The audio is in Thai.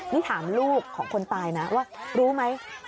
นี่ถามลูกของคนตายนะว่ารู้ไหม